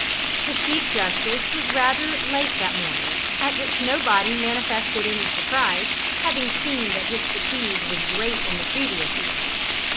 The Chief Justice was rather late that morning, at which nobody manifested any surprise, having seen that his fatigue was great on the previous evening.